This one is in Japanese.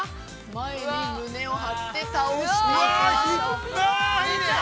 前に胸を張って倒して行きましょう。